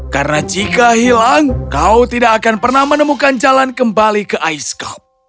karena jika hilang kau tidak akan pernah menemukan jalan kembali ke ais kap